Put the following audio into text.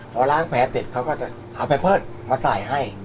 พอล้างแผลเสร็จเค้าก็จะหาแผลเปิดมาใส่ให้